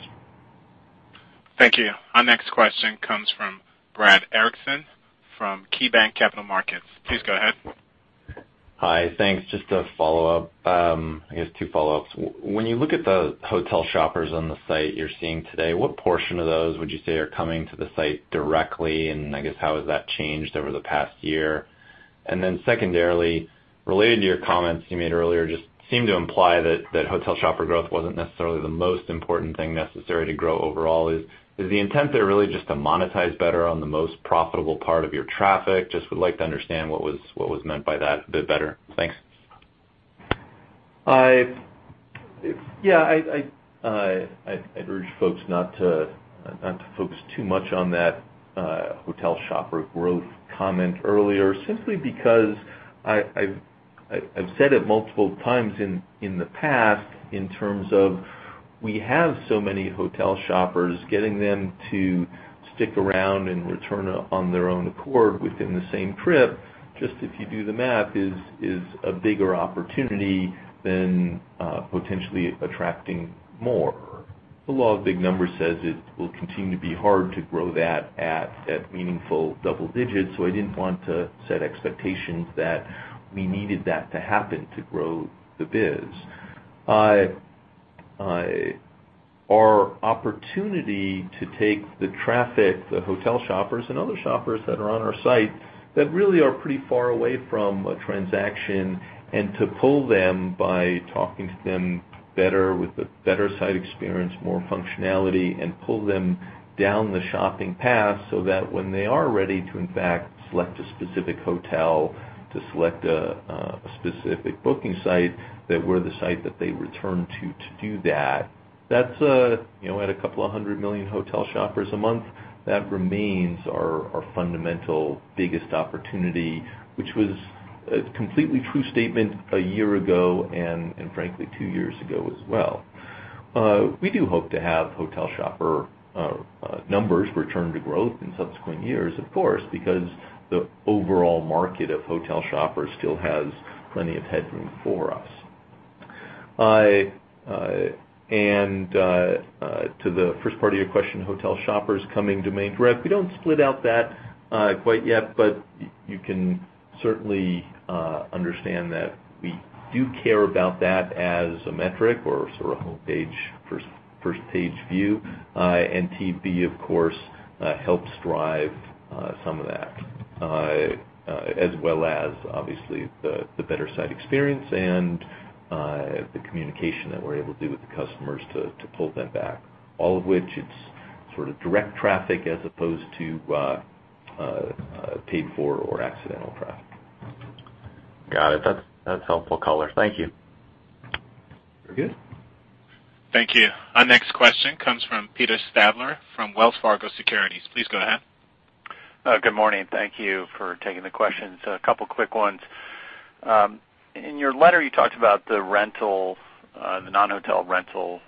Thank you. Our next question comes from Brad Erickson from KeyBanc Capital Markets. Please go ahead. Hi. Thanks. Just a follow-up. I guess two follow-ups. When you look at the hotel shoppers on the site you're seeing today, what portion of those would you say are coming to the site directly, and I guess how has that changed over the past year? Secondarily, related to your comments you made earlier, just seemed to imply that hotel shopper growth wasn't necessarily the most important thing necessary to grow overall. Is the intent there really just to monetize better on the most profitable part of your traffic? Just would like to understand what was meant by that a bit better. Thanks. Yeah. I'd urge folks not to focus too much on that hotel shopper growth comment earlier, simply because I've said it multiple times in the past, in terms of we have so many hotel shoppers, getting them to stick around and return on their own accord within the same trip, just if you do the math, is a bigger opportunity than potentially attracting more. The law of big numbers says it will continue to be hard to grow that at meaningful double digits, so I didn't want to set expectations that we needed that to happen to grow the biz. Our opportunity to take the traffic, the hotel shoppers, and other shoppers that are on our site that really are pretty far away from a transaction and to pull them by talking to them better with the better site experience, more functionality, and pull them down the shopping path so that when they are ready to in fact select a specific hotel, to select a specific booking site, that we're the site that they return to do that. At a couple of 100 million hotel shoppers a month, that remains our fundamental biggest opportunity, which was a completely true statement a year ago, and frankly, two years ago as well. We do hope to have hotel shopper numbers return to growth in subsequent years, of course, because the overall market of hotel shoppers still has plenty of headroom for us. To the first part of your question, hotel shoppers coming to main [inaudible] We don't split out that quite yet, but you can certainly understand that we do care about that as a metric or sort of a home page, first page view. TV, of course, helps drive some of that, as well as obviously the better site experience and the communication that we're able to do with the customers to pull them back, all of which it's sort of direct traffic as opposed to paid for or accidental traffic. Got it. That's helpful color. Thank you. Very good. Thank you. Our next question comes from Peter Stabler from Wells Fargo Securities. Please go ahead. Good morning. Thank you for taking the questions. A couple quick ones. In your letter, you talked about the non-hotel rental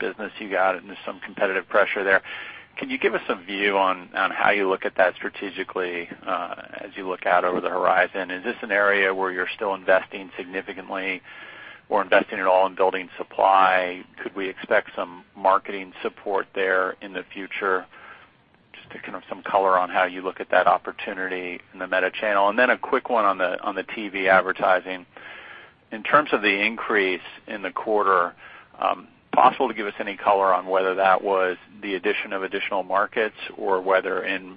business you got into, some competitive pressure there. Can you give us a view on how you look at that strategically as you look out over the horizon? Is this an area where you're still investing significantly or investing at all in building supply? Could we expect some marketing support there in the future? Just to kind of some color on how you look at that opportunity in the meta channel. Then a quick one on the TV advertising. In terms of the increase in the quarter, possible to give us any color on whether that was the addition of additional markets or whether in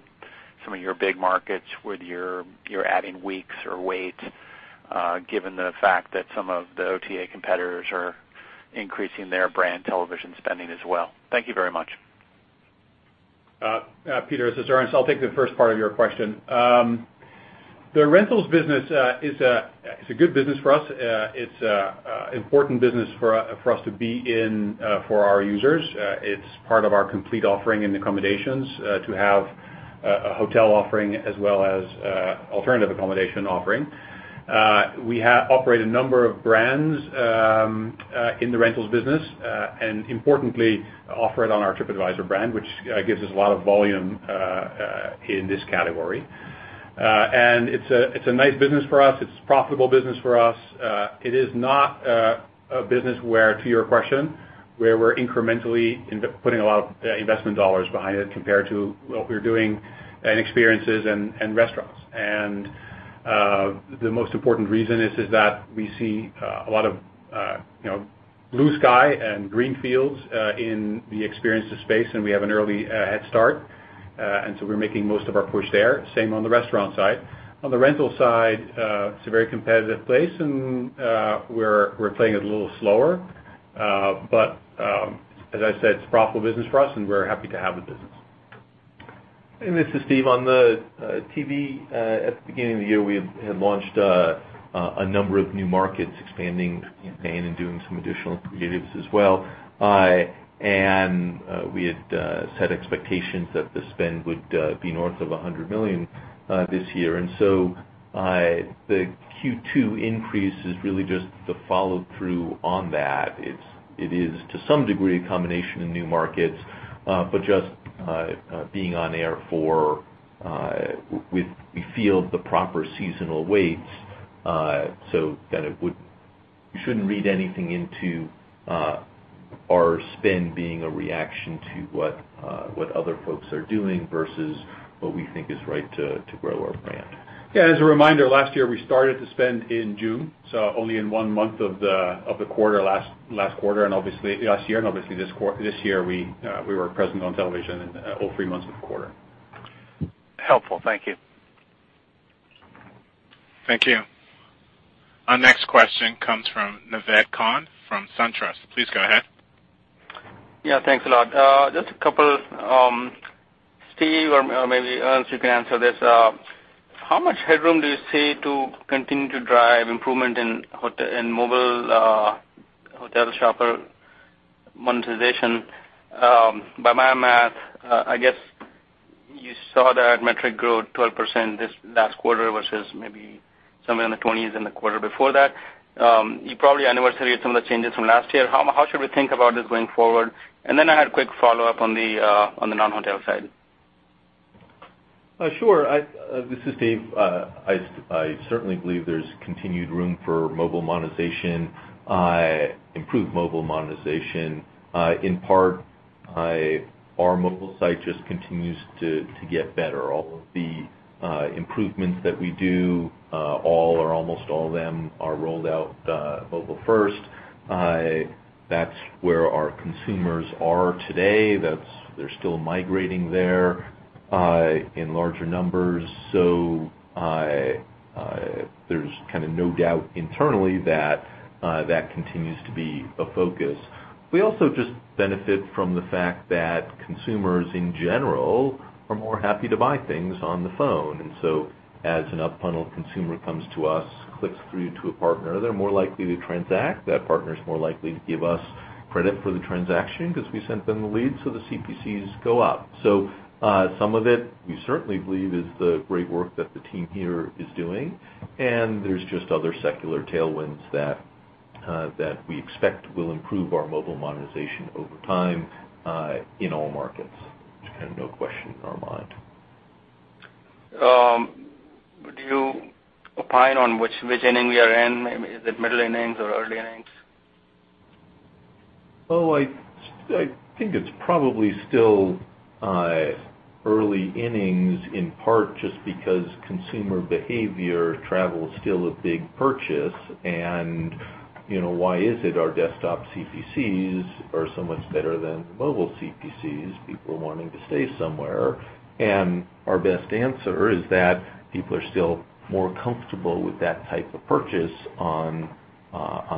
some of your big markets, whether you're adding weeks or weight, given the fact that some of the OTA competitors are increasing their brand television spending as well. Thank you very much. Peter, this is Ernst. I'll take the first part of your question. The rentals business is a good business for us. It's an important business for us to be in for our users. It's part of our complete offering in accommodations, to have a hotel offering as well as alternative accommodation offering. We operate a number of brands in the rentals business, importantly, offer it on our TripAdvisor brand, which gives us a lot of volume in this category. It's a nice business for us. It's a profitable business for us. It is not a business where, to your question, where we're incrementally putting a lot of investment $ behind it compared to what we're doing in experiences and restaurants. The most important reason is that we see a lot of blue sky and green fields in the experiences space, and we have an early head start. We're making most of our push there. Same on the restaurant side. On the rental side, it's a very competitive place, and we're playing it a little slower. As I said, it's a profitable business for us and we're happy to have the business. This is Steve. On the TV, at the beginning of the year, we had launched a number of new markets expanding in Spain and doing some additional creatives as well. We had set expectations that the spend would be north of $100 million this year. The Q2 increase is really just the follow-through on that. It is to some degree, a combination of new markets, but just being on air for with we feel the proper seasonal weights, so that you shouldn't read anything into our spend being a reaction to what other folks are doing versus what we think is right to grow our brand. As a reminder, last year, we started to spend in June, so only in one month of the quarter, last quarter, and obviously last year, and obviously this year, we were present on television in all three months of the quarter. Helpful. Thank you. Thank you. Our next question comes from Naved Khan from SunTrust. Please go ahead. Thanks a lot. Just a couple. Steve, or maybe Ernst, you can answer this. How much headroom do you see to continue to drive improvement in mobile hotel shopper monetization? By my math, I guess you saw that metric grow 12% this last quarter, versus maybe somewhere in the 20s in the quarter before that. You probably anniversary-ed some of the changes from last year. How should we think about this going forward? Then I had a quick follow-up on the non-hotel side. Sure. This is Steve. I certainly believe there's continued room for mobile monetization, improved mobile monetization. In part, our mobile site just continues to get better. All of the improvements that we do, all or almost all of them are rolled out mobile first. That's where our consumers are today. They're still migrating there in larger numbers. There's no doubt internally that continues to be a focus. We also just benefit from the fact that consumers in general are more happy to buy things on the phone. As an up-funnel consumer comes to us, clicks through to a partner, they're more likely to transact. That partner's more likely to give us credit for the transaction because we sent them the lead, the CPCs go up. Some of it, we certainly believe is the great work that the team here is doing, there's just other secular tailwinds that we expect will improve our mobile monetization over time in all markets. There's no question in our mind. Would you opine on which inning we are in? Is it middle innings or early innings? Well, I think it's probably still early innings, in part just because consumer behavior, travel is still a big purchase, why is it our desktop CPCs are so much better than mobile CPCs, people wanting to stay somewhere? Our best answer is that people are still more comfortable with that type of purchase on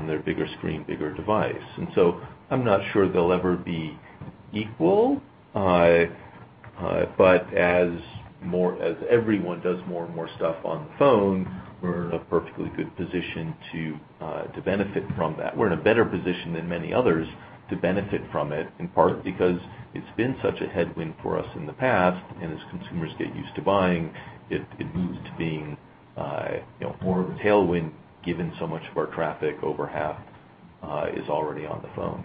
their bigger screen, bigger device. I'm not sure they'll ever be equal. As everyone does more and more stuff on the phone, we're in a perfectly good position to benefit from that. We're in a better position than many others to benefit from it, in part because it's been such a headwind for us in the past, as consumers get used to buying it moves to being more of a tailwind, given so much of our traffic, over half, is already on the phone.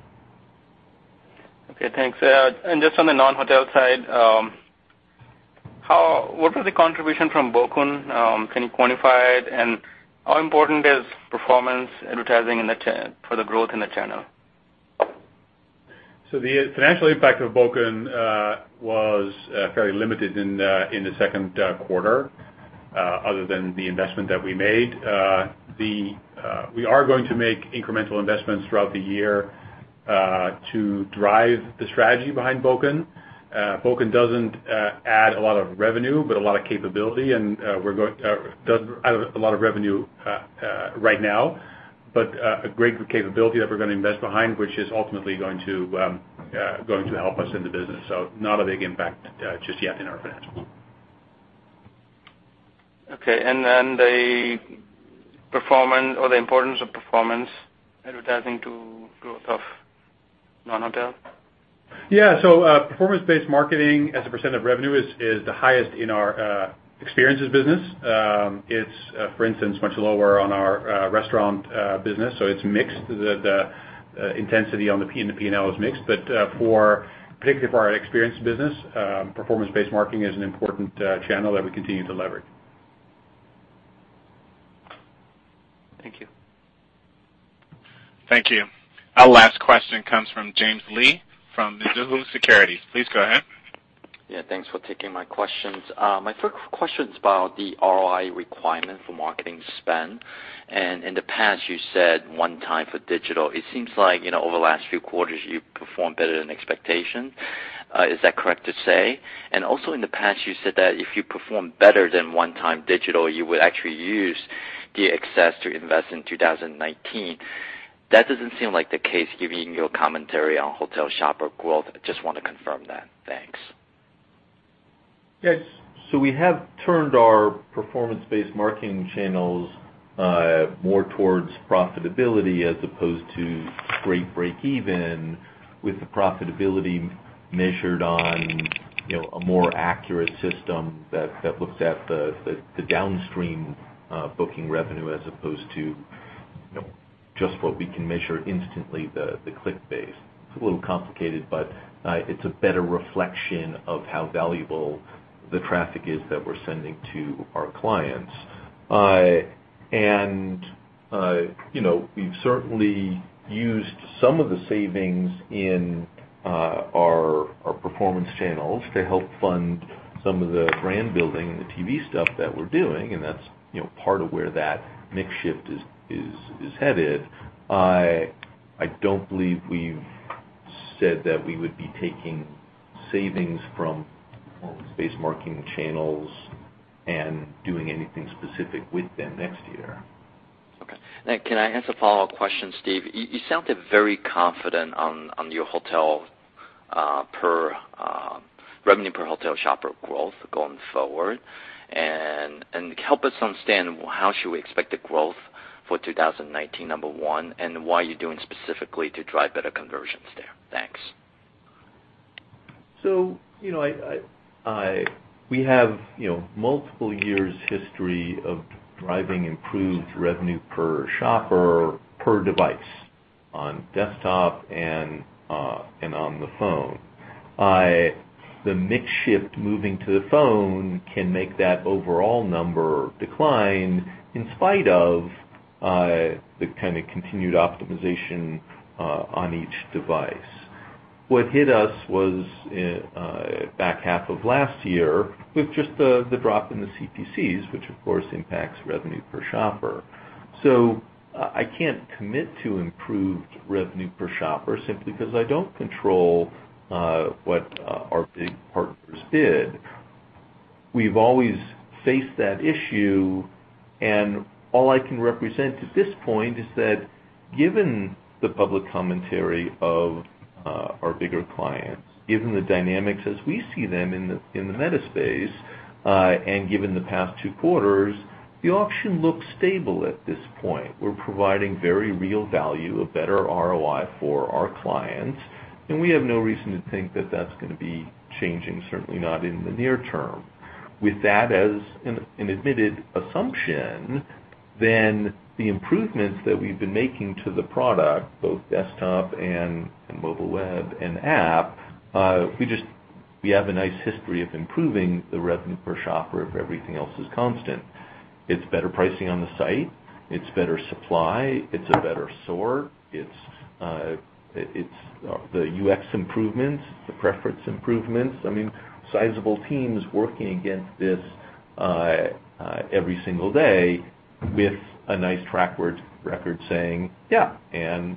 Okay, thanks. Just on the non-hotel side, what was the contribution from Bokun? Can you quantify it? How important is performance advertising for the growth in the channel? The financial impact of Bokun was fairly limited in the second quarter, other than the investment that we made. We are going to make incremental investments throughout the year to drive the strategy behind Bokun. Bokun doesn't add a lot of revenue right now. A great capability that we're going to invest behind, which is ultimately going to help us in the business. Not a big impact just yet in our financial model. Okay. The performance or the importance of performance advertising to growth of non-hotel? Yeah. Performance-based marketing as a % of revenue is the highest in our experiences business. It's, for instance, much lower on our restaurant business, so it's mixed. The intensity in the P&L is mixed. Particularly for our experiences business, performance-based marketing is an important channel that we continue to leverage. Thank you. Thank you. Our last question comes from James Lee of Mizuho Securities. Please go ahead. Yeah, thanks for taking my questions. My first question is about the ROI requirement for marketing spend. In the past, you said one time for digital. It seems like, over the last few quarters, you performed better than expectation. Is that correct to say? Also, in the past, you said that if you perform better than one time digital, you would actually use the excess to invest in 2019. That doesn't seem like the case, given your commentary on hotel shopper growth. I just want to confirm that. Thanks. Yes. We have turned our performance-based marketing channels more towards profitability as opposed to gross break even, with the profitability measured on a more accurate system that looks at the downstream booking revenue as opposed to just what we can measure instantly, the click base. It's a little complicated, but it's a better reflection of how valuable the traffic is that we're sending to our clients. We've certainly used some of the savings in our performance channels to help fund some of the brand building and the TV stuff that we're doing, and that's part of where that mix shift is headed. I don't believe we've said that we would be taking savings from performance-based marketing channels and doing anything specific with them next year. Okay. Can I ask a follow-up question, Steve? You sounded very confident on your revenue per hotel shopper growth going forward. Help us understand how should we expect the growth for 2019, number one, and what are you doing specifically to drive better conversions there? Thanks. We have multiple years history of driving improved revenue per shopper, per device on desktop and on the phone. The mix shift moving to the phone can make that overall number decline in spite of the kind of continued optimization on each device. What hit us was back half of last year with just the drop in the CPCs, which of course impacts revenue per shopper. I can't commit to improved revenue per shopper simply because I don't control what our big partners bid. We've always faced that issue, and all I can represent at this point is that given the public commentary of our bigger clients, given the dynamics as we see them in the meta space, and given the past two quarters, the auction looks stable at this point. We're providing very real value, a better ROI for our clients, we have no reason to think that that's going to be changing, certainly not in the near term. With that as an admitted assumption, the improvements that we've been making to the product, both desktop and mobile web and app, we have a nice history of improving the revenue per shopper if everything else is constant. It's better pricing on the site. It's better supply. It's a better sort. It's the UX improvements, the preference improvements. I mean, sizable teams working against this every single day with a nice track record saying, "Yeah,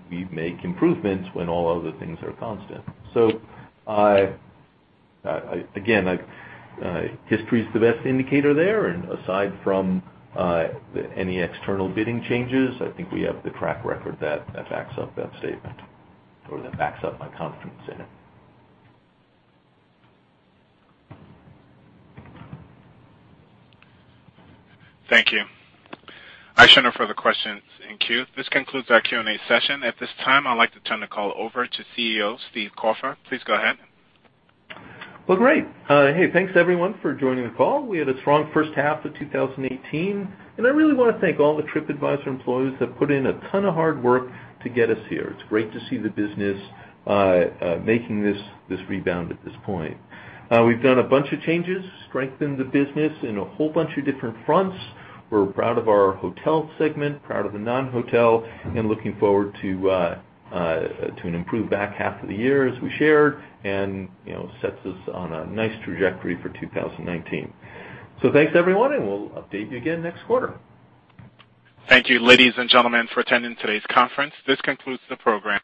we make improvements when all other things are constant." Again, history is the best indicator there. Aside from any external bidding changes, I think we have the track record that backs up that statement, or that backs up my confidence in it. Thank you. I show no further questions in queue. This concludes our Q&A session. At this time, I'd like to turn the call over to CEO, Steve Kaufer. Please go ahead. Great. Hey, thanks everyone for joining the call. We had a strong first half of 2018. I really want to thank all the TripAdvisor employees that put in a ton of hard work to get us here. It's great to see the business making this rebound at this point. We've done a bunch of changes, strengthened the business in a whole bunch of different fronts. We're proud of our hotel segment, proud of the non-hotel, looking forward to an improved back half of the year as we shared, sets us on a nice trajectory for 2019. Thanks, everyone, and we'll update you again next quarter. Thank you, ladies and gentlemen, for attending today's conference. This concludes the program.